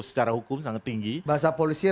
secara hukum sangat tinggi bahasa polisinya